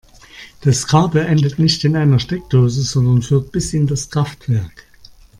Das Kabel endet nicht in einer Steckdose, sondern führt bis in das Kraftwerk.